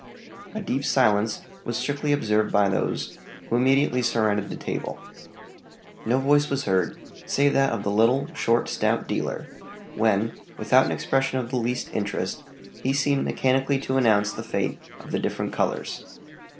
_ A deep silence was strictly observed by those who immediately surrounded the table; no voice was heard save that of the little, short, stout dealer, when, without an expression of the least interest, he seemed mechanically to announce the fate of the different colors.